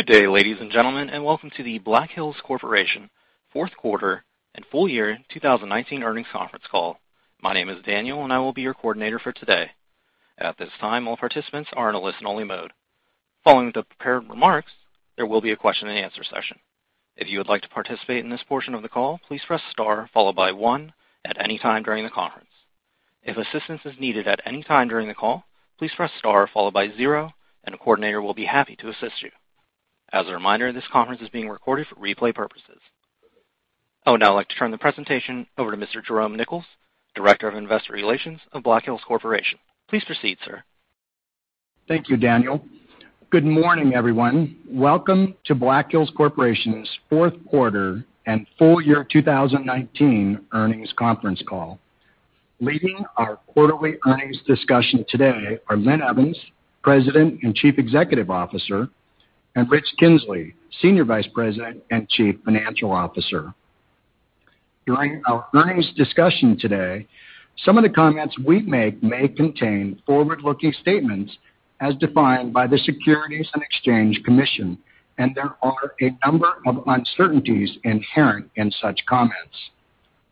Good day, ladies and gentlemen, welcome to the Black Hills Corporation fourth quarter and full year 2019 earnings conference call. My name is Daniel, I will be your coordinator for today. At this time, all participants are in a listen-only mode. Following the prepared remarks, there will be a question and answer session. If you would like to participate in this portion of the call, please press star followed by one at any time during the conference. If assistance is needed at any time during the call, please press star followed by zero, a coordinator will be happy to assist you. As a reminder, this conference is being recorded for replay purposes. I would now like to turn the presentation over to Mr. Jerome Nichols, Director of Investor Relations of Black Hills Corporation. Please proceed, sir. Thank you, Daniel. Good morning, everyone. Welcome to Black Hills Corporation's fourth quarter and full year 2019 earnings conference call. Leading our quarterly earnings discussion today are Linn Evans, President and Chief Executive Officer, and Rich Kinzley, Senior Vice President and Chief Financial Officer. During our earnings discussion today, some of the comments we make may contain forward-looking statements as defined by the Securities and Exchange Commission. There are a number of uncertainties inherent in such comments.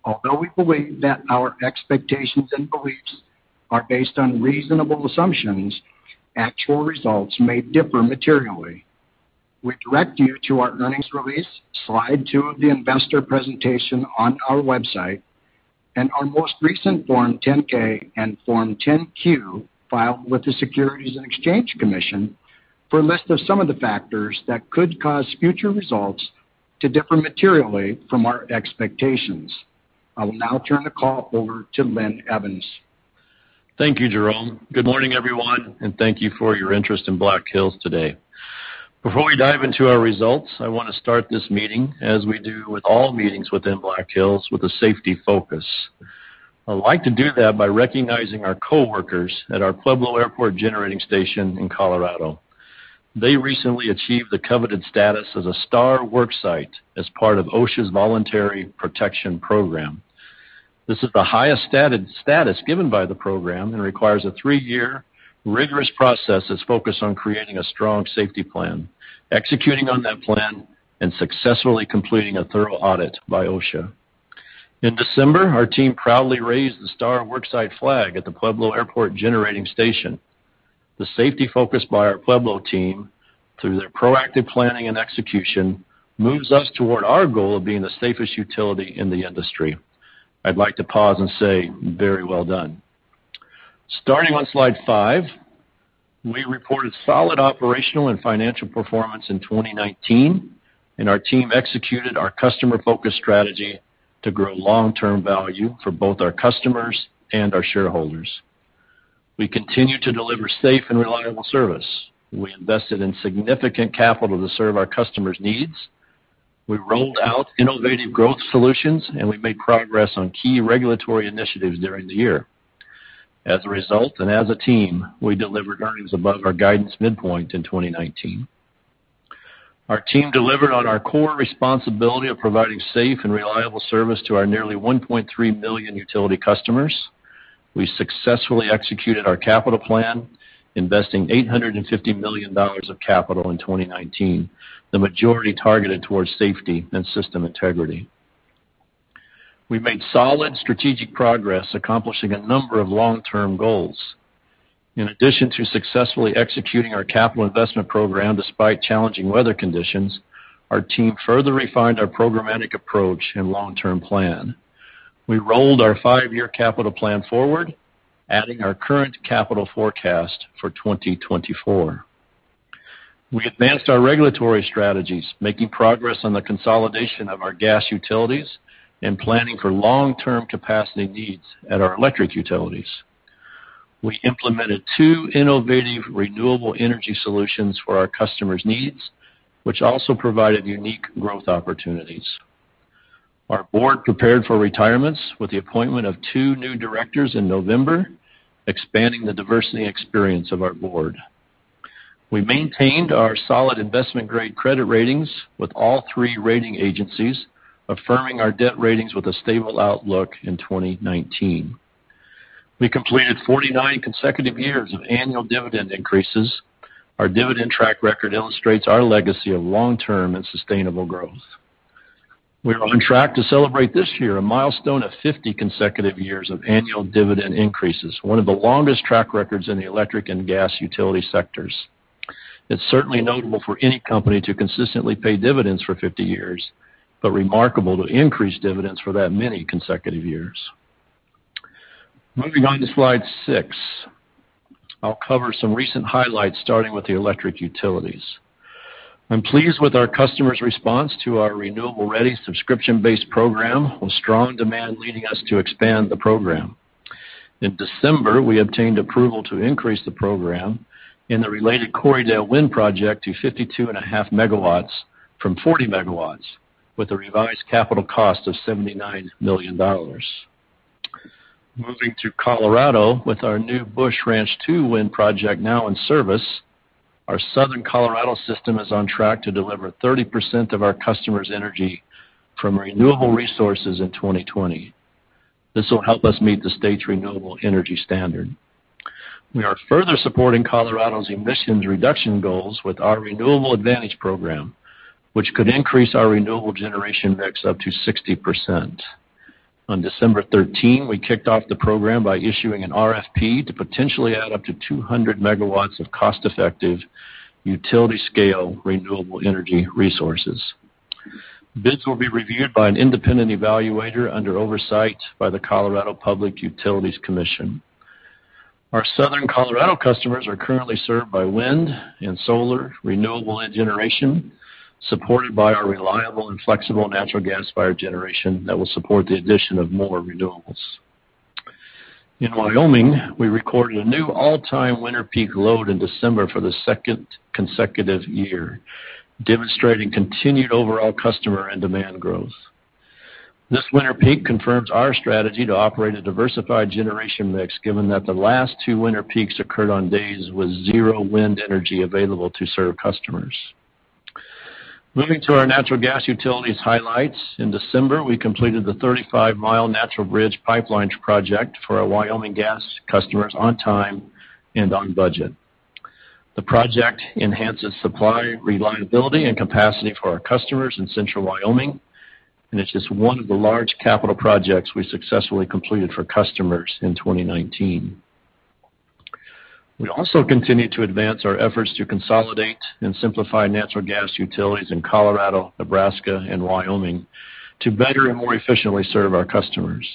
Although we believe that our expectations and beliefs are based on reasonable assumptions, actual results may differ materially. We direct you to our earnings release, slide two of the investor presentation on our website, and our most recent Form 10-K and Form 10-Q filed with the Securities and Exchange Commission for a list of some of the factors that could cause future results to differ materially from our expectations. I will now turn the call over to Linn Evans. Thank you, Jerome. Good morning, everyone, and thank you for your interest in Black Hills today. Before we dive into our results, I want to start this meeting as we do with all meetings within Black Hills with a safety focus. I'd like to do that by recognizing our coworkers at our Pueblo Airport Generating Station in Colorado. They recently achieved the coveted status as a Star Worksite as part of OSHA's Voluntary Protection Program. This is the highest status given by the program and requires a three-year rigorous process that's focused on creating a strong safety plan, executing on that plan, and successfully completing a thorough audit by OSHA. In December, our team proudly raised the Star Worksite flag at the Pueblo Airport Generating Station. The safety focus by our Pueblo team, through their proactive planning and execution, moves us toward our goal of being the safest utility in the industry. I'd like to pause and say very well done. Starting on slide five, we reported solid operational and financial performance in 2019, and our team executed our customer-focused strategy to grow long-term value for both our customers and our shareholders. We continued to deliver safe and reliable service. We invested in significant capital to serve our customers' needs. We rolled out innovative growth solutions, and we made progress on key regulatory initiatives during the year. As a result and as a team, we delivered earnings above our guidance midpoint in 2019. Our team delivered on our core responsibility of providing safe and reliable service to our nearly 1.3 million utility customers. We successfully executed our capital plan, investing $850 million of capital in 2019, the majority targeted towards safety and system integrity. We made solid strategic progress accomplishing a number of long-term goals. In addition to successfully executing our capital investment program despite challenging weather conditions, our team further refined our programmatic approach and long-term plan. We rolled our five-year capital plan forward, adding our current capital forecast for 2024. We advanced our regulatory strategies, making progress on the consolidation of our gas utilities and planning for long-term capacity needs at our electric utilities. We implemented two innovative renewable energy solutions for our customers' needs, which also provided unique growth opportunities. Our board prepared for retirements with the appointment of two new directors in November, expanding the diversity experience of our board. We maintained our solid investment-grade credit ratings with all three rating agencies, affirming our debt ratings with a stable outlook in 2019. We completed 49 consecutive years of annual dividend increases. Our dividend track record illustrates our legacy of long-term and sustainable growth. We are on track to celebrate this year a milestone of 50 consecutive years of annual dividend increases, one of the longest track records in the electric and gas utility sectors. It's certainly notable for any company to consistently pay dividends for 50 years, but remarkable to increase dividends for that many consecutive years. Moving on to slide six, I'll cover some recent highlights, starting with the electric utilities. I'm pleased with our customers' response to our Renewable Ready subscription-based program, with strong demand leading us to expand the program. In December, we obtained approval to increase the program in the related Corriedale Wind Project to 52.5 MW from 40 MW, with a revised capital cost of $79 million. Moving to Colorado with our new Busch Ranch 2 Wind Project now in service, our Southern Colorado system is on track to deliver 30% of our customers' energy from renewable resources in 2020. This will help us meet the state's renewable energy standard. We are further supporting Colorado's emissions reduction goals with our Renewable Advantage program, which could increase our renewable generation mix up to 60%. On December 13, we kicked off the program by issuing an RFP to potentially add up to 200 MW of cost-effective utility-scale renewable energy resources. Bids will be reviewed by an independent evaluator under oversight by the Colorado Public Utilities Commission. Our southern Colorado customers are currently served by wind and solar renewable generation, supported by our reliable and flexible natural gas-fired generation that will support the addition of more renewables. In Wyoming, we recorded a new all-time winter peak load in December for the second consecutive year, demonstrating continued overall customer and demand growth. This winter peak confirms our strategy to operate a diversified generation mix, given that the last two winter peaks occurred on days with zero wind energy available to serve customers. Moving to our natural gas utilities highlights. In December, we completed the 35-mile Natural Bridge Pipeline project for our Wyoming gas customers on time and on budget. The project enhances supply, reliability, and capacity for our customers in central Wyoming, and it's just one of the large capital projects we successfully completed for customers in 2019. We also continue to advance our efforts to consolidate and simplify natural gas utilities in Colorado, Nebraska, and Wyoming to better and more efficiently serve our customers.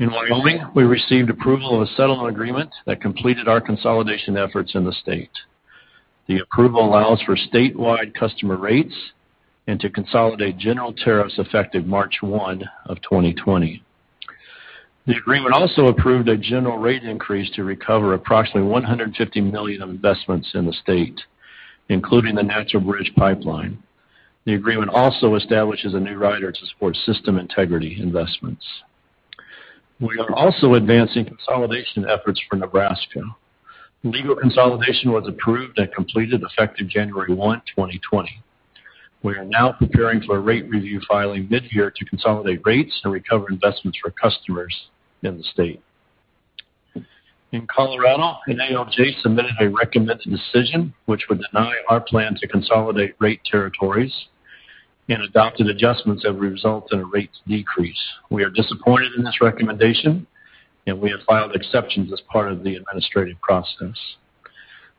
In Wyoming, we received approval of a settlement agreement that completed our consolidation efforts in the state. The approval allows for statewide customer rates and to consolidate general tariffs effective March 1, 2020. The agreement also approved a general rate increase to recover approximately $150 million of investments in the state, including the Natural Bridge Pipeline. The agreement also establishes a new rider to support system integrity investments. We are also advancing consolidation efforts for Nebraska. Legal consolidation was approved and completed effective January 1, 2020. We are now preparing for a rate review filing mid-year to consolidate rates and recover investments for customers in the state. In Colorado, an ALJ submitted a recommended decision which would deny our plan to consolidate rate territories and adopted adjustments that would result in a rate decrease. We are disappointed in this recommendation, and we have filed exceptions as part of the administrative process.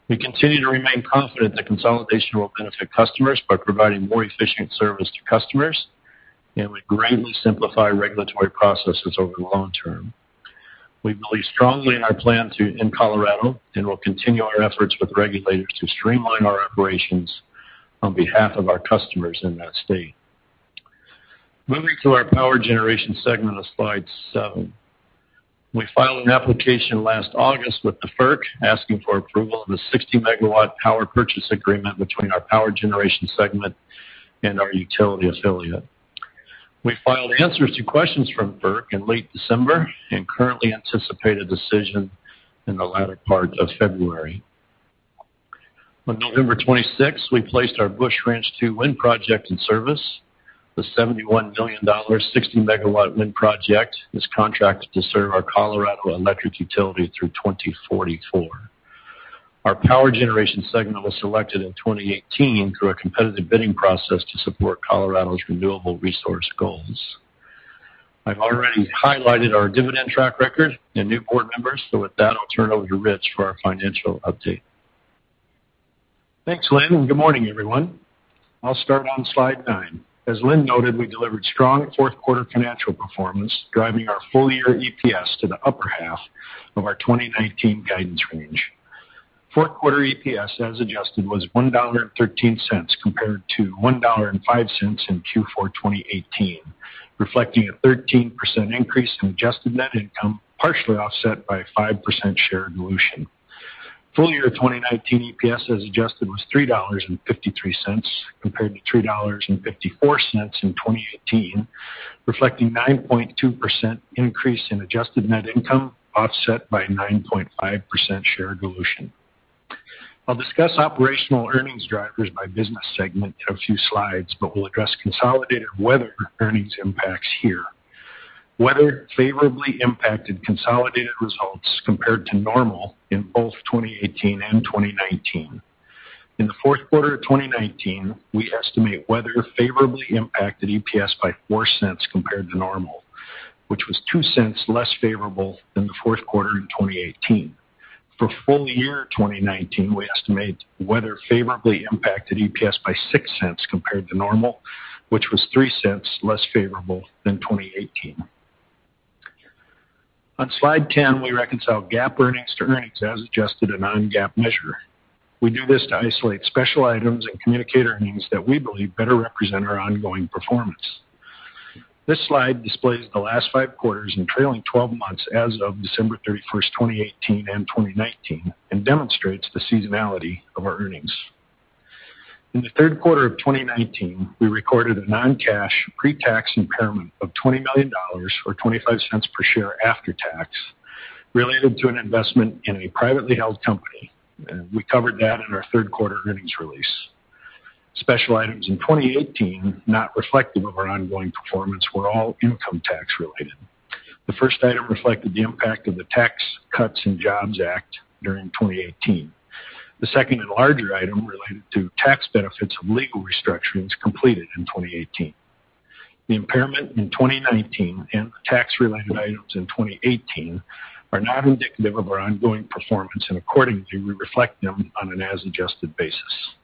We continue to remain confident that consolidation will benefit customers by providing more efficient service to customers, and would greatly simplify regulatory processes over the long term. We believe strongly in our plan in Colorado and will continue our efforts with regulators to streamline our operations on behalf of our customers in that state. Moving to our power generation segment on slide seven. We filed an application last August with the FERC asking for approval of a 60-MW power purchase agreement between our power generation segment and our utility affiliate. We filed answers to questions from FERC in late December and currently anticipate a decision in the latter part of February. On November 26, we placed our Busch Ranch 2 wind project in service. The $71 million 60-MW wind project is contracted to serve our Colorado electric utility through 2044. Our power generation segment was selected in 2018 through a competitive bidding process to support Colorado's renewable resource goals. I've already highlighted our dividend track record and new board members. With that, I'll turn it over to Rich for our financial update. Thanks, Linn, good morning, everyone. I'll start on slide nine. As Linn noted, we delivered strong fourth-quarter financial performance, driving our full-year EPS to the upper half of our 2019 guidance range. Fourth-quarter EPS, as adjusted, was $1.13 compared to $1.05 in Q4 2018, reflecting a 13% increase in adjusted net income, partially offset by 5% share dilution. Full-year 2019 EPS as adjusted was $3.53 compared to $3.54 in 2018, reflecting 9.2% increase in adjusted net income offset by 9.5% share dilution. I'll discuss operational earnings drivers by business segment in a few slides, we'll address consolidated weather earnings impacts here. Weather favorably impacted consolidated results compared to normal in both 2018 and 2019. In the fourth quarter of 2019, we estimate weather favorably impacted EPS by $0.04 compared to normal, which was $0.02 less favorable than the fourth quarter in 2018. For full year 2019, we estimate weather favorably impacted EPS by $0.06 compared to normal, which was $0.03 less favorable than 2018. On slide 10, we reconcile GAAP earnings to earnings as adjusted, a non-GAAP measure. We do this to isolate special items and communicate earnings that we believe better represent our ongoing performance. This slide displays the last five quarters and trailing 12 months as of December 31st, 2018 and 2019 and demonstrates the seasonality of our earnings. In the third quarter of 2019, we recorded a non-cash pre-tax impairment of $20 million, or $0.25 per share after tax, related to an investment in a privately held company. We covered that in our third-quarter earnings release. Special items in 2018, not reflective of our ongoing performance, were all income tax-related. The first item reflected the impact of the Tax Cuts and Jobs Act during 2018. The second and larger item related to tax benefits of legal restructurings completed in 2018. The impairment in 2019 and the tax-related items in 2018 are not indicative of our ongoing performance and accordingly, we reflect them on an as-adjusted basis.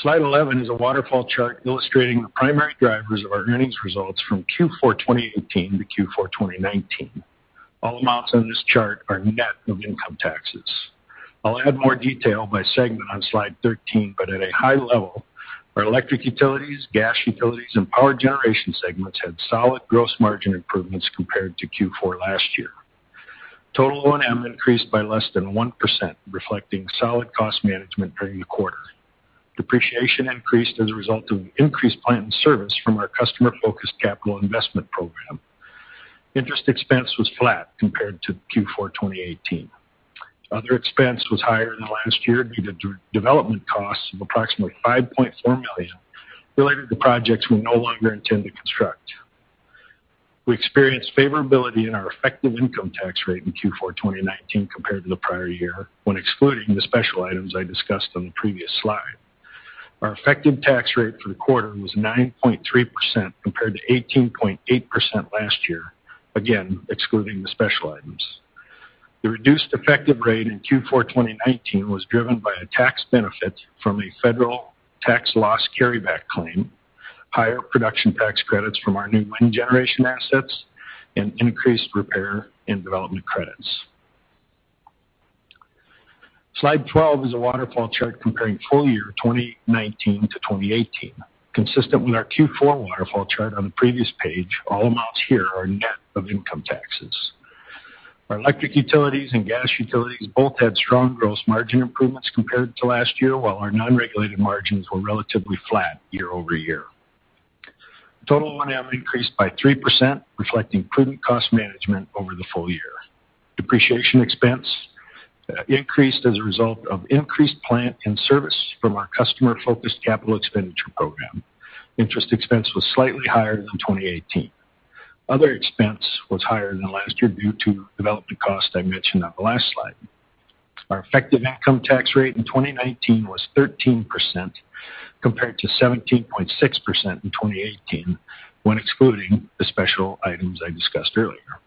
Slide 11 is a waterfall chart illustrating the primary drivers of our earnings results from Q4 2018 to Q4 2019. All amounts on this chart are net of income taxes. I'll add more detail by segment on slide 13. At a high level, our electric utilities, gas utilities, and power generation segments had solid gross margin improvements compared to Q4 last year. Total O&M increased by less than 1%, reflecting solid cost management during the quarter. Depreciation increased as a result of increased plant and service from our customer-focused capital investment program. Interest expense was flat compared to Q4 2018. Other expense was higher than last year due to development costs of approximately $5.4 million related to projects we no longer intend to construct. We experienced favorability in our effective income tax rate in Q4 2019 compared to the prior year, when excluding the special items I discussed on the previous slide. Our effective tax rate for the quarter was 9.3% compared to 18.8% last year, again, excluding the special items. The reduced effective rate in Q4 2019 was driven by a tax benefit from a federal tax loss carryback claim, higher production tax credits from our new wind generation assets, and increased repair and development credits. Slide 12 is a waterfall chart comparing full year 2019 to 2018. Consistent with our Q4 waterfall chart on the previous page, all amounts here are net of income taxes. Our electric utilities and gas utilities both had strong gross margin improvements compared to last year, while our non-regulated margins were relatively flat year-over-year. Total O&M increased by 3%, reflecting prudent cost management over the full year. Depreciation expense increased as a result of increased plant and service from our customer-focused capital expenditure program. Interest expense was slightly higher than 2018. Other expense was higher than last year due to development cost I mentioned on the last slide. Our effective income tax rate in 2019 was 13% compared to 17.6% in 2018, when excluding the special items I discussed earlier.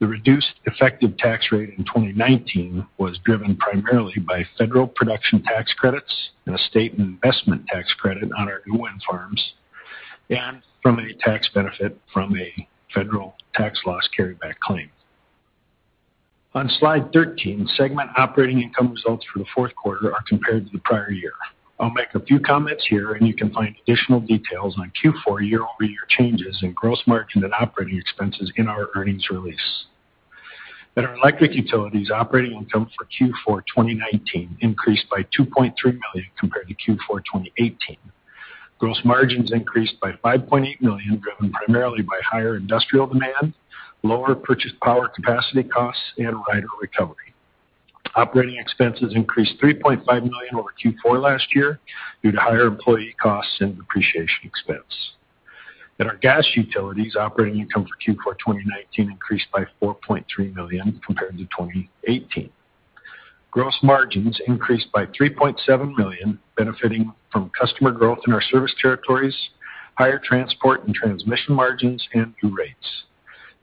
The reduced effective tax rate in 2019 was driven primarily by federal production tax credits and a state investment tax credit on our new wind farms and from a tax benefit from a federal tax loss carryback claim. On slide 13, segment operating income results for the fourth quarter are compared to the prior year. I'll make a few comments here, and you can find additional details on Q4 year-over-year changes in gross margin and operating expenses in our earnings release. At our electric utilities, operating income for Q4 2019 increased by $2.3 million compared to Q4 2018. Gross margins increased by $5.8 million, driven primarily by higher industrial demand, lower purchased power capacity costs, and rider recovery. Operating expenses increased $3.5 million over Q4 last year due to higher employee costs and depreciation expense. At our gas utilities, operating income for Q4 2019 increased by $4.3 million compared to 2018. Gross margins increased by $3.7 million, benefiting from customer growth in our service territories, higher transport and transmission margins, and new rates.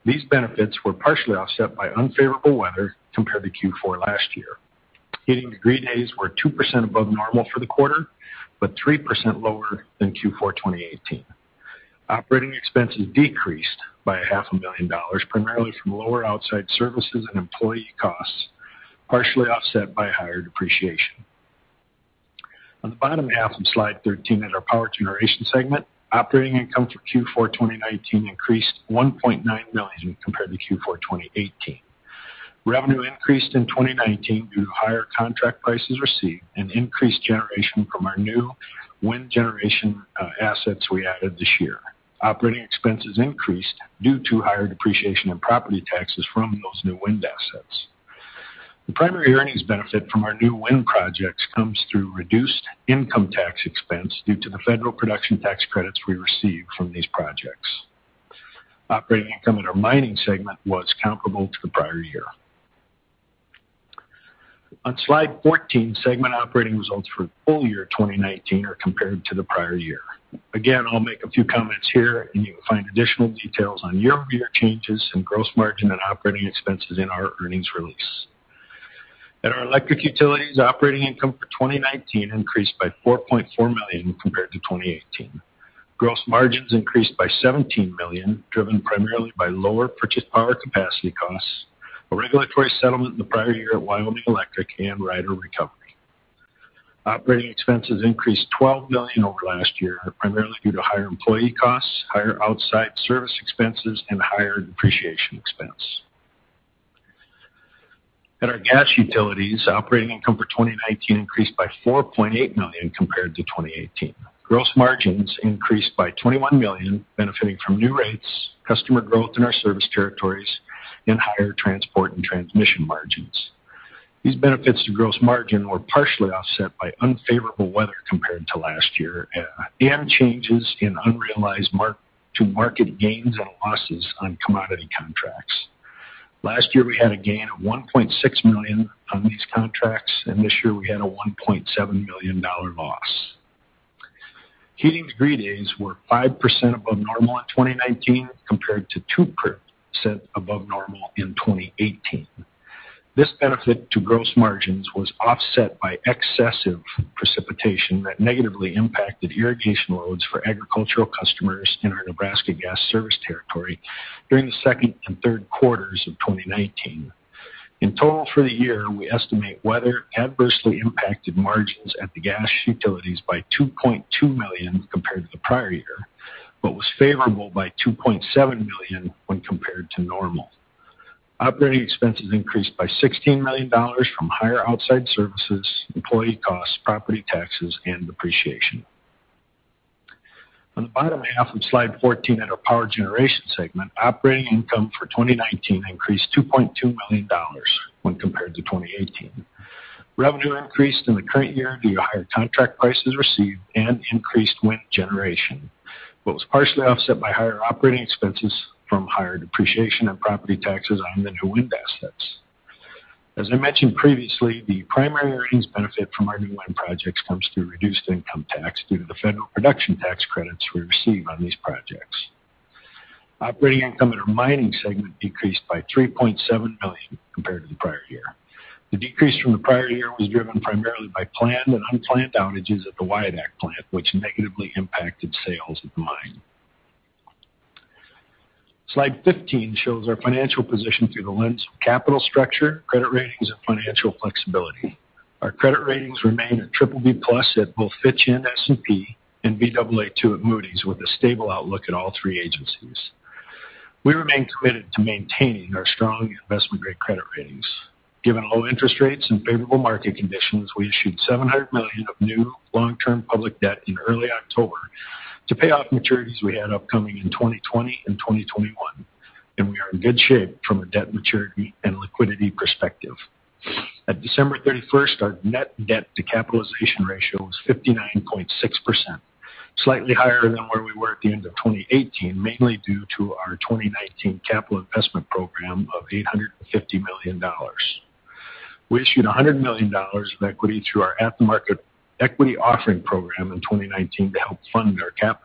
These benefits were partially offset by unfavorable weather compared to Q4 last year. Heating degree days were 2% above normal for the quarter, but 3% lower than Q4 2018. Operating expenses decreased by a half a million dollars, primarily from lower outside services and employee costs, partially offset by higher depreciation. On the bottom half of slide 13 at our power generation segment, operating income for Q4 2019 increased $1.9 million compared to Q4 2018. Revenue increased in 2019 due to higher contract prices received and increased generation from our new wind generation assets we added this year. Operating expenses increased due to higher depreciation and property taxes from those new wind assets. The primary earnings benefit from our new wind projects comes through reduced income tax expense due to the federal production tax credits we received from these projects. Operating income at our mining segment was comparable to the prior year. On slide 14, segment operating results for full year 2019 are compared to the prior year. I'll make a few comments here, and you will find additional details on year-over-year changes in gross margin and operating expenses in our earnings release. At our electric utilities, operating income for 2019 increased by $4.4 million compared to 2018. Gross margins increased by $17 million, driven primarily by lower purchased power capacity costs, a regulatory settlement in the prior year at Wyoming Electric, and rider recovery. Operating expenses increased $12 million over last year, primarily due to higher employee costs, higher outside service expenses, and higher depreciation expense. At our gas utilities, operating income for 2019 increased by $4.8 million compared to 2018. Gross margins increased by $21 million, benefiting from new rates, customer growth in our service territories and higher transport and transmission margins. These benefits to gross margin were partially offset by unfavorable weather compared to last year, and changes in unrealized mark-to-market gains and losses on commodity contracts. Last year, we had a gain of $1.6 million on these contracts, and this year we had a $1.7 million loss. Heating degree days were 5% above normal in 2019, compared to 2% above normal in 2018. This benefit to gross margins was offset by excessive precipitation that negatively impacted irrigation loads for agricultural customers in our Nebraska Gas Service territory during the second and third quarters of 2019. In total for the year, we estimate weather adversely impacted margins at the gas utilities by $2.2 million compared to the prior year, but was favorable by $2.7 million when compared to normal. Operating expenses increased by $16 million from higher outside services, employee costs, property taxes, and depreciation. On the bottom half of slide 14 at our power generation segment, operating income for 2019 increased $2.2 million when compared to 2018. Revenue increased in the current year due to higher contract prices received and increased wind generation, but was partially offset by higher operating expenses from higher depreciation and property taxes on the new wind assets. As I mentioned previously, the primary earnings benefit from our new wind projects comes through reduced income tax due to the federal production tax credits we receive on these projects. Operating income at our mining segment decreased by $3.7 million compared to the prior year. The decrease from the prior year was driven primarily by planned and unplanned outages at the Wyodak Plant, which negatively impacted sales of the mine. Slide 15 shows our financial position through the lens of capital structure, credit ratings, and financial flexibility. Our credit ratings remain at BBB+ at both Fitch and S&P, and Baa2 at Moody's, with a stable outlook at all three agencies. We remain committed to maintaining our strong investment-grade credit ratings. Given low interest rates and favorable market conditions, we issued $700 million of new long-term public debt in early October to pay off maturities we had upcoming in 2020 and 2021, and we are in good shape from a debt maturity and liquidity perspective. At December 31st, our net debt to capitalization ratio was 59.6%, slightly higher than where we were at the end of 2018, mainly due to our 2019 capital investment program of $850 million. We issued $100 million of equity through our at-the-market equity offering program in 2019 to help fund our CapEx.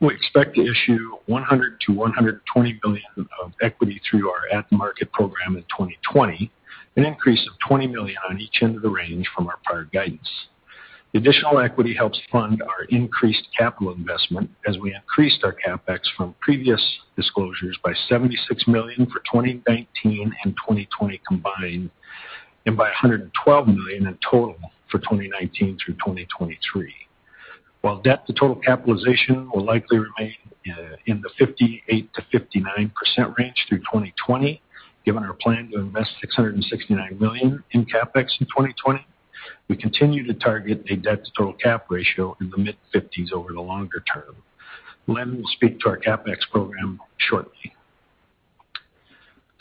We expect to issue $100 million-$120 million of equity through our at-the-market program in 2020, an increase of $20 million on each end of the range from our prior guidance. The additional equity helps fund our increased capital investment as we increased our CapEx from previous disclosures by $76 million for 2019 and 2020 combined, and by $112 million in total for 2019 through 2023. While debt to total capitalization will likely remain in the 58%-59% range through 2020, given our plan to invest $669 million in CapEx in 2020, we continue to target a debt to total cap ratio in the mid-50s over the longer term. Linn will speak to our CapEx program shortly.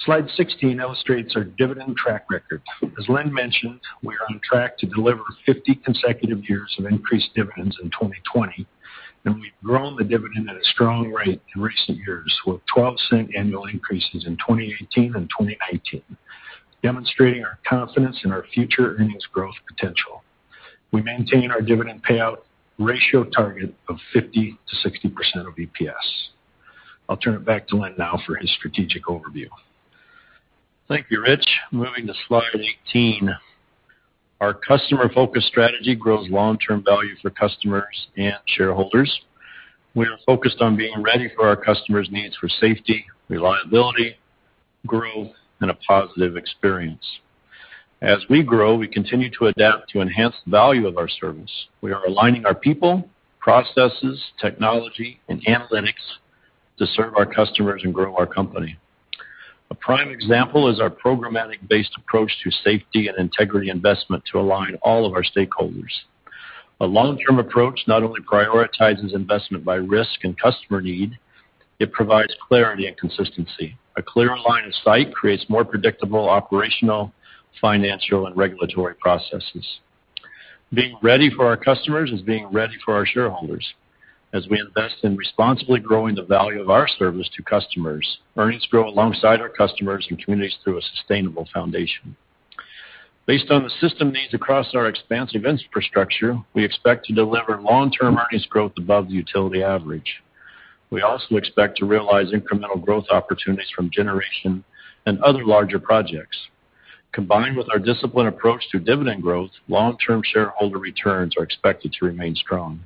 Slide 16 illustrates our dividend track record. As Linn mentioned, we are on track to deliver 50 consecutive years of increased dividends in 2020. We've grown the dividend at a strong rate in recent years, with $0.12 annual increases in 2018 and 2019, demonstrating our confidence in our future earnings growth potential. We maintain our dividend payout ratio target of 50%-60% of EPS. I'll turn it back to Linn now for his strategic overview. Thank you, Rich. Moving to slide 18. Our customer-focused strategy grows long-term value for customers and shareholders. We are focused on being ready for our customers' needs for safety, reliability, growth, and a positive experience. As we grow, we continue to adapt to enhance the value of our service. We are aligning our people, processes, technology, and analytics to serve our customers and grow our company. A prime example is our programmatic-based approach to safety and integrity investment to align all of our stakeholders. A long-term approach not only prioritizes investment by risk and customer need, it provides clarity and consistency. A clearer line of sight creates more predictable operational, financial, and regulatory processes. Being ready for our customers is being ready for our shareholders. As we invest in responsibly growing the value of our service to customers, earnings grow alongside our customers and communities through a sustainable foundation. Based on the system needs across our expansive infrastructure, we expect to deliver long-term earnings growth above the utility average. We also expect to realize incremental growth opportunities from generation and other larger projects. Combined with our disciplined approach to dividend growth, long-term shareholder returns are expected to remain strong.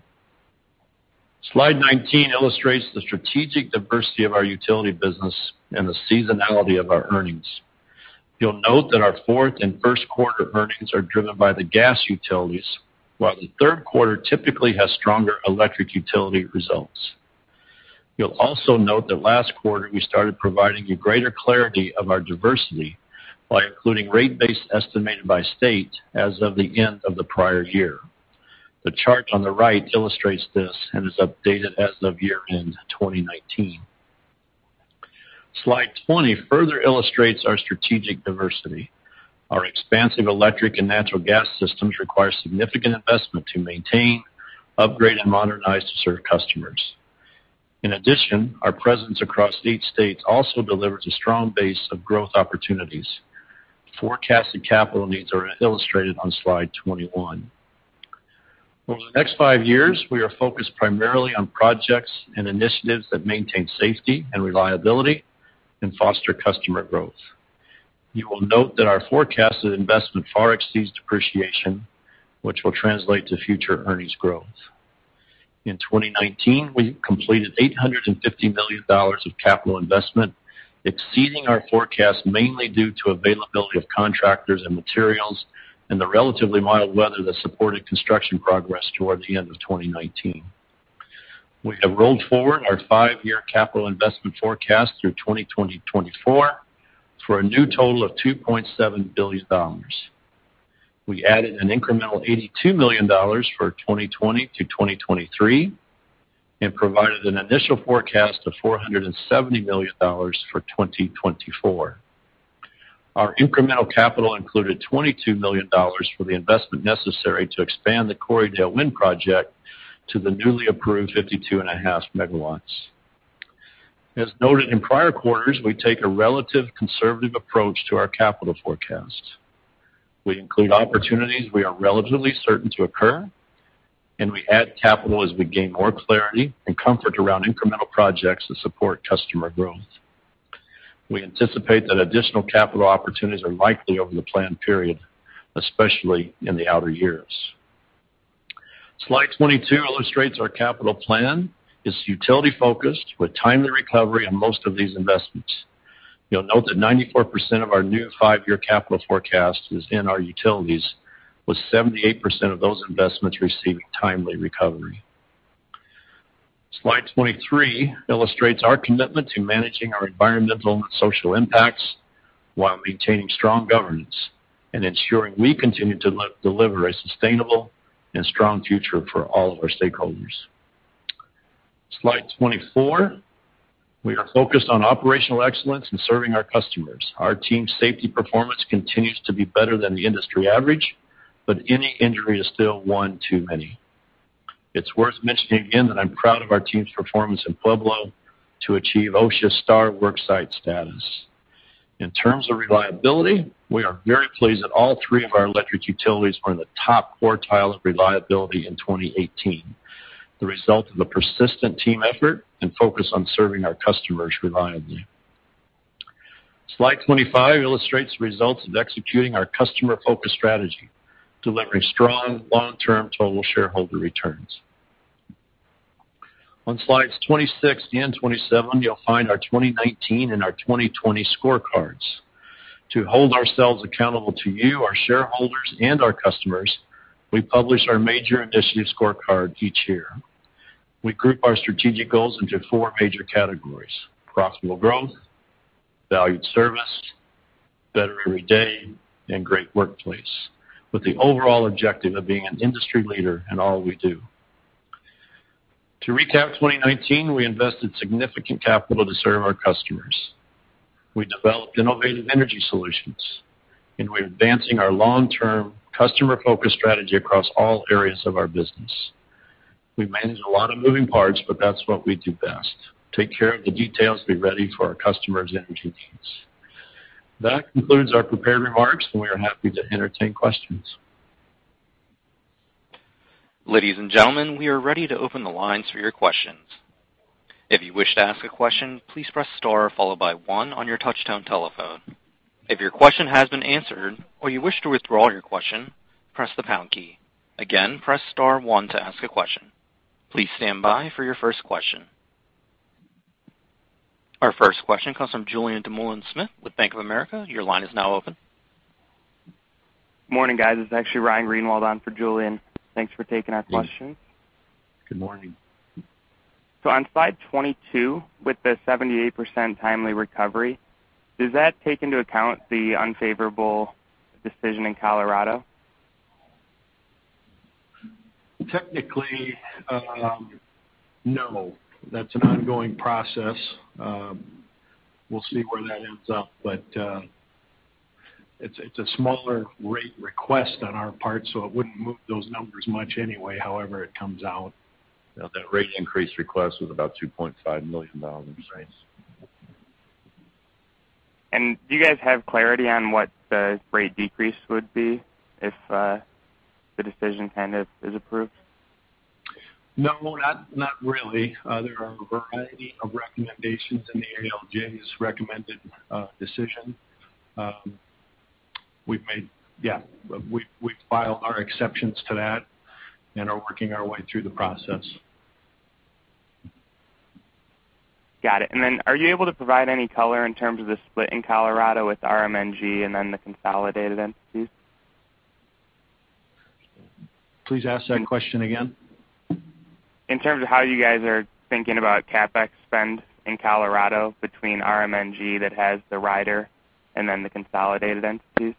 Slide 19 illustrates the strategic diversity of our utility business and the seasonality of our earnings. You'll note that our fourth and first quarter earnings are driven by the gas utilities, while the third quarter typically has stronger electric utility results. You'll also note that last quarter we started providing you greater clarity of our diversity by including rate base estimated by state as of the end of the prior year. The chart on the right illustrates this and is updated as of year-end 2019. Slide 20 further illustrates our strategic diversity. Our expansive electric and natural gas systems require significant investment to maintain, upgrade, and modernize to serve customers. In addition, our presence across eight states also delivers a strong base of growth opportunities. Forecasted capital needs are illustrated on slide 21. Over the next five years, we are focused primarily on projects and initiatives that maintain safety and reliability and foster customer growth. You will note that our forecasted investment far exceeds depreciation, which will translate to future earnings growth. In 2019, we completed $850 million of capital investment, exceeding our forecast, mainly due to availability of contractors and materials and the relatively mild weather that supported construction progress towards the end of 2019. We have rolled forward our five-year capital investment forecast through 2024 for a new total of $2.7 billion. We added an incremental $82 million for 2020 to 2023 and provided an initial forecast of $470 million for 2024. Our incremental capital included $22 million for the investment necessary to expand the Corriedale Wind Project to the newly approved 52.5 MW. As noted in prior quarters, we take a relative conservative approach to our capital forecast. We include opportunities we are relatively certain to occur, and we add capital as we gain more clarity and comfort around incremental projects that support customer growth. We anticipate that additional capital opportunities are likely over the planned period, especially in the outer years. Slide 22 illustrates our capital plan. It's utility-focused with timely recovery on most of these investments. You'll note that 94% of our new five-year capital forecast is in our utilities, with 78% of those investments receiving timely recovery. Slide 23 illustrates our commitment to managing our environmental and social impacts while maintaining strong governance and ensuring we continue to deliver a sustainable and strong future for all of our stakeholders. Slide 24, we are focused on operational excellence in serving our customers. Our team safety performance continues to be better than the industry average, but any injury is still one too many. It's worth mentioning again that I'm proud of our team's performance in Pueblo to achieve OSHA Star Worksite status. In terms of reliability, we are very pleased that all three of our electric utilities are in the top quartile of reliability in 2018, the result of a persistent team effort and focus on serving our customers reliably. Slide 25 illustrates results of executing our customer-focused strategy, delivering strong long-term total shareholder returns. On slides 26 and 27, you'll find our 2019 and our 2020 scorecards. To hold ourselves accountable to you, our shareholders, and our customers, we publish our major initiative scorecard each year. We group our strategic goals into four major categories: profitable growth, valued service, better every day, and great workplace, with the overall objective of being an industry leader in all we do. To recap 2019, we invested significant capital to serve our customers. We developed innovative energy solutions, and we're advancing our long-term customer-focused strategy across all areas of our business. We manage a lot of moving parts, but that's what we do best: take care of the details, be ready for our customers' energy needs. That concludes our prepared remarks, and we are happy to entertain questions. Ladies and gentlemen, we are ready to open the lines for your questions. If you wish to ask a question, please press star followed by one on your touchtone telephone. If your question has been answered or you wish to withdraw your question, press the pound key. Again, press star one to ask a question. Please stand by for your first question. Our first question comes from Julien Dumoulin-Smith with Bank of America. Your line is now open. Morning, guys. This is actually Ryan Greenwald on for Julien. Thanks for taking our questions. Good morning. On slide 22, with the 78% timely recovery, does that take into account the unfavorable decision in Colorado? Technically, no. That's an ongoing process. We'll see where that ends up, but it's a smaller rate request on our part, so it wouldn't move those numbers much anyway, however it comes out. That rate increase request was about $2.5 million. Do you guys have clarity on what the rate decrease would be if the decision is approved? No, not really. There are a variety of recommendations in the ALJ's recommended decision. We've filed our exceptions to that and are working our way through the process. Got it. Are you able to provide any color in terms of the split in Colorado with RMNG and then the consolidated entities? Please ask that question again. In terms of how you guys are thinking about CapEx spend in Colorado between RMNG that has the rider and then the consolidated entities?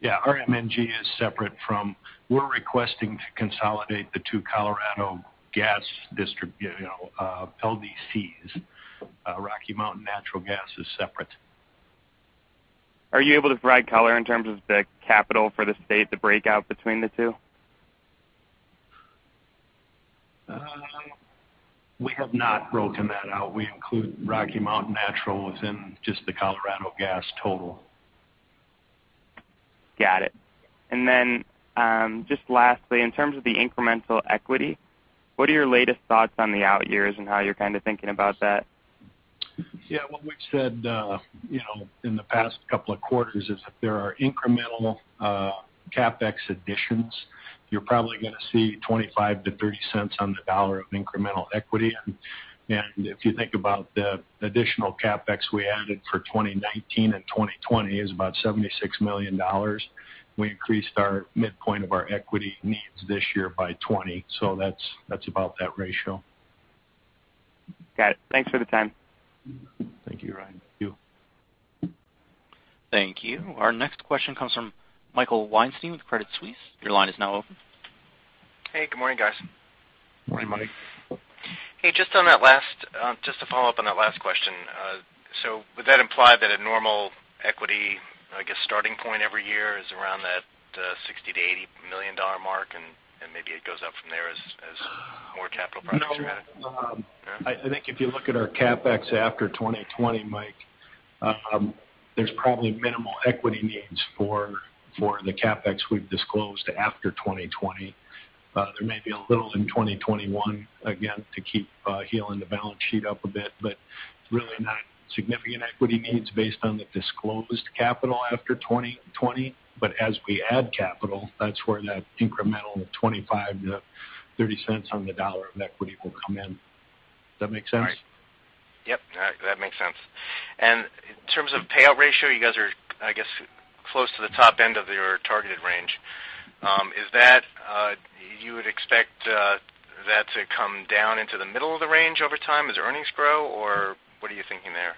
Yeah. RMNG is separate. We're requesting to consolidate the two Colorado gas LDCs. Rocky Mountain Natural Gas is separate. Are you able to provide color in terms of the capital for the state, the breakout between the two? We have not broken that out. We include Rocky Mountain Natural within just the Colorado Gas total. Got it. Just lastly, in terms of the incremental equity, what are your latest thoughts on the out years and how you're kind of thinking about that? What we've said in the past couple of quarters is if there are incremental CapEx additions, you're probably going to see $0.25-$0.30 on the dollar of incremental equity. If you think about the additional CapEx we added for 2019 and 2020 is about $76 million. We increased our midpoint of our equity needs this year by $0.20. That's about that ratio. Got it. Thanks for the time. Thank you, Ryan. Thank you. Our next question comes from Michael Weinstein with Credit Suisse. Your line is now open. Hey, good morning, guys. Morning, Mike. Hey, just to follow up on that last question. Would that imply that a normal equity, I guess, starting point every year is around that $60 million-$80 million mark, and maybe it goes up from there as more capital projects are added? No. All right. I think if you look at our CapEx after 2020, Mike, there's probably minimal equity needs for the CapEx we've disclosed after 2020. There may be a little in 2021, again, to keep healing the balance sheet up a bit, really not significant equity needs based on the disclosed capital after 2020. As we add capital, that's where that incremental $0.25-$0.30 on the dollar of equity will come in. Does that make sense? Right. Yep. That makes sense. In terms of payout ratio, you guys are, I guess, close to the top end of your targeted range. You would expect that to come down into the middle of the range over time as earnings grow, or what are you thinking there?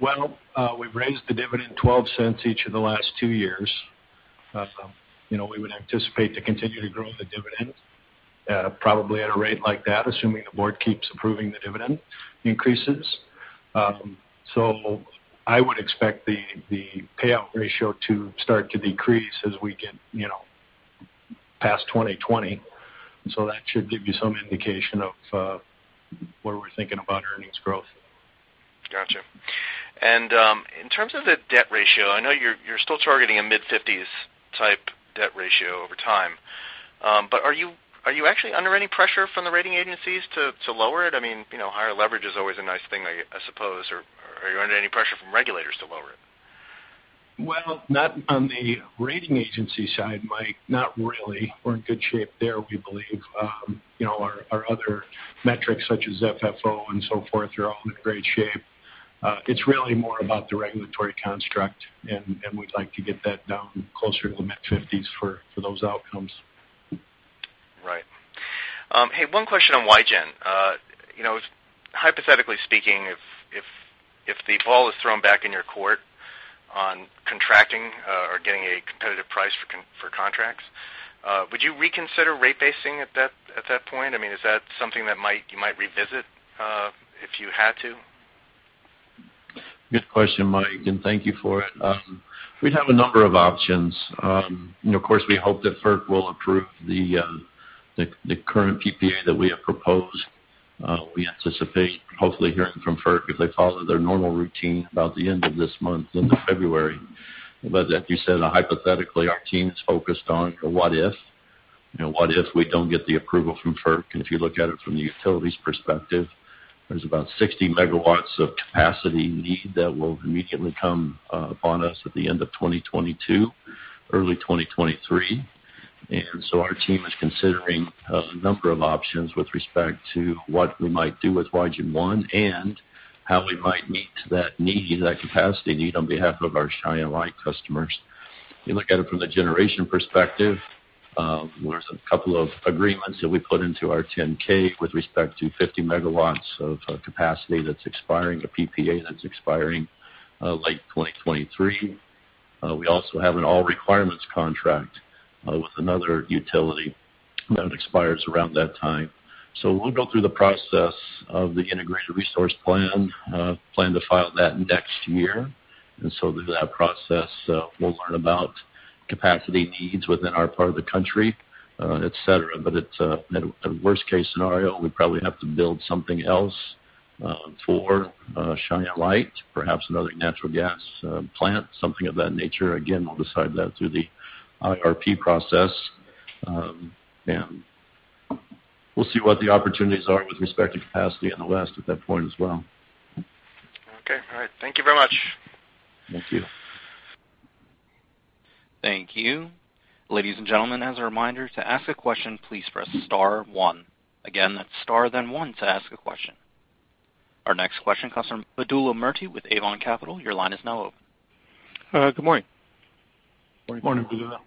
Well, we've raised the dividend $0.12 each of the last two years. We would anticipate to continue to grow the dividend, probably at a rate like that, assuming the board keeps approving the dividend increases. I would expect the payout ratio to start to decrease as we get past 2020. That should give you some indication of where we're thinking about earnings growth. Got you. In terms of the debt ratio, I know you're still targeting a mid-fifties type debt ratio over time. Are you actually under any pressure from the rating agencies to lower it? I mean, higher leverage is always a nice thing, I suppose. Are you under any pressure from regulators to lower it? Well, not on the rating agency side, Mike. Not really. We're in good shape there, we believe. Our other metrics such as FFO and so forth are all in great shape. It's really more about the regulatory construct. We'd like to get that down closer to the mid-fifties for those outcomes. Right. Hey, one question on Wygen. Hypothetically speaking, if the ball is thrown back in your court on contracting or getting a competitive price for contracts, would you reconsider rate basing at that point? I mean, is that something that you might revisit if you had to? Good question, Mike, and thank you for it. We'd have a number of options. Of course, we hope that FERC will approve the current PPA that we have proposed. We anticipate hopefully hearing from FERC if they follow their normal routine about the end of this month into February. As you said, hypothetically, our team is focused on the what if. What if we don't get the approval from FERC? If you look at it from the utility's perspective, there's about 60 MW of capacity need that will immediately come upon us at the end of 2022, early 2023. Our team is considering a number of options with respect to what we might do with Wygen I and how we might meet that need, that capacity need, on behalf of our Cheyenne Light customers. You look at it from the generation perspective, there's a couple of agreements that we put into our 10-K with respect to 50 MW of capacity that's expiring, a PPA that's expiring late 2023. We also have an all requirements contract with another utility that expires around that time. We'll go through the process of the Integrated Resource Plan. Plan to file that next year. Through that process, we'll learn about capacity needs within our part of the country, et cetera. At worst case scenario, we probably have to build something else for Cheyenne Light, perhaps another natural gas plant, something of that nature. Again, we'll decide that through the IRP process. We'll see what the opportunities are with respect to capacity in the West at that point as well. Okay. All right. Thank you very much. Thank you. Thank you. Ladies and gentlemen, as a reminder, to ask a question, please press star one. That's star, then one to ask a question. Our next question comes from Vedula Murti with Avon Capital. Your line is now open. Good morning. Morning, Vedula.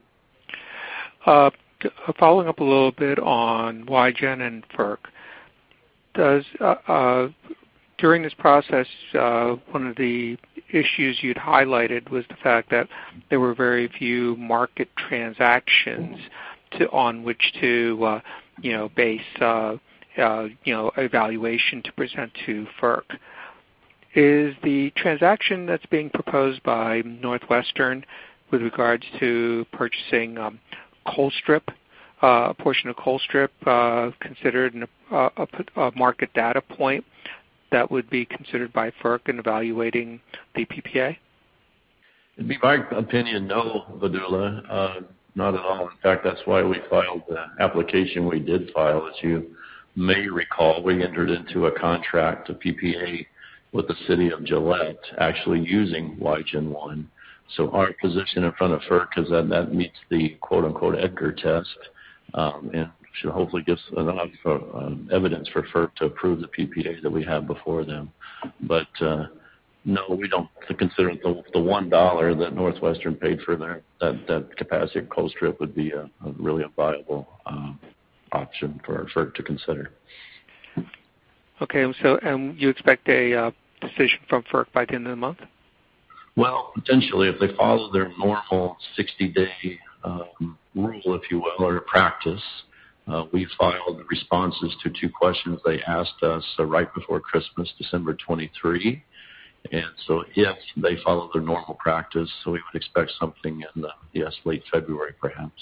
Following up a little bit on Wygen and FERC. During this process, one of the issues you'd highlighted was the fact that there were very few market transactions on which to base a valuation to present to FERC. Is the transaction that's being proposed by NorthWestern with regards to purchasing a portion of Colstrip, considered a market data point that would be considered by FERC in evaluating the PPA? It'd be my opinion, no, Vedula. Not at all. In fact, that's why we filed the application we did file. As you may recall, we entered into a contract, a PPA, with the city of Gillette, actually using Wygen I. Our position in front of FERC is that meets the quote-unquote Edgar Test, and should hopefully give us enough evidence for FERC to approve the PPA that we have before them. No, we don't consider the $1 that NorthWestern paid for that capacity at Colstrip would be a really viable option for FERC to consider. Okay. You expect a decision from FERC by the end of the month? Well, potentially. If they follow their normal 60-day rule, if you will, or practice. We filed responses to two questions they asked us right before Christmas, December 23. Yes, they follow their normal practice, so we would expect something in the, yes, late February, perhaps.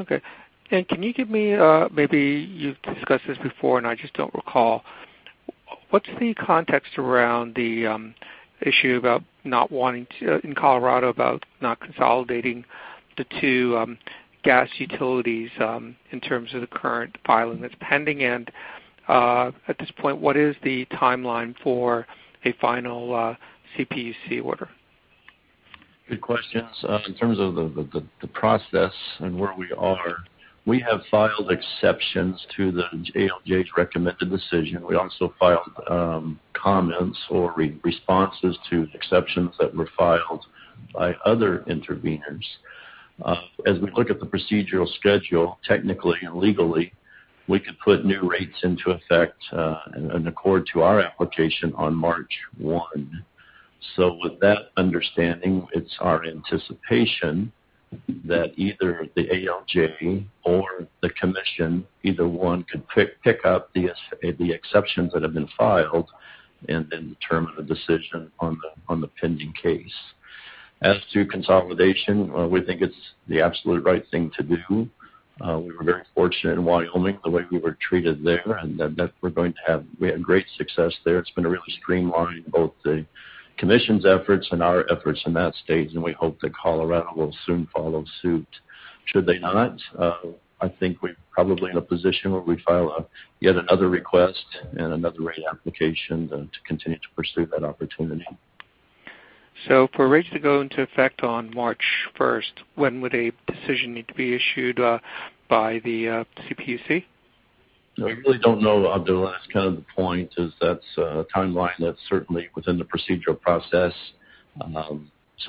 Okay. Can you give me, maybe you've discussed this before, and I just don't recall. What's the context around the issue in Colorado about not consolidating the two gas utilities, in terms of the current filing that's pending? At this point, what is the timeline for a final CPUC order? Good questions. We have filed exceptions to the ALJ's recommended decision. We also filed comments or responses to exceptions that were filed by other interveners. We look at the procedural schedule, technically and legally, we could put new rates into effect in accord to our application on March 1. With that understanding, it's our anticipation that either the ALJ or the commission, either one can pick up the exceptions that have been filed and then determine a decision on the pending case. To consolidation, we think it's the absolute right thing to do. We were very fortunate in Wyoming, the way we were treated there, and we had great success there. It's been a real streamline, both the commission's efforts and our efforts in that state. We hope that Colorado will soon follow suit. Should they not, I think we're probably in a position where we'd file yet another request and another rate application to continue to pursue that opportunity. For rates to go into effect on March 1st, when would a decision need to be issued by the CPUC? We really don't know, Vedula. That's kind of the point, is that's a timeline that's certainly within the procedural process.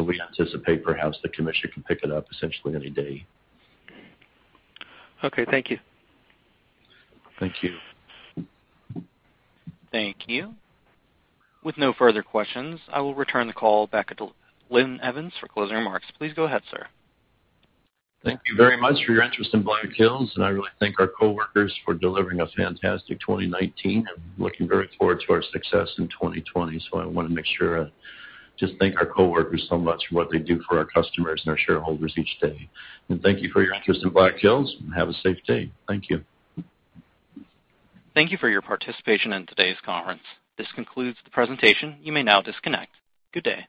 We anticipate perhaps the Commission can pick it up essentially any day. Okay. Thank you. Thank you. Thank you. With no further questions, I will return the call back to Linn Evans for closing remarks. Please go ahead, sir. Thank you very much for your interest in Black Hills. I really thank our coworkers for delivering a fantastic 2019, looking very forward to our success in 2020. I want to make sure to just thank our coworkers so much for what they do for our customers and our shareholders each day. Thank you for your interest in Black Hills. Have a safe day. Thank you. Thank you for your participation in today's conference. This concludes the presentation. You may now disconnect. Good day.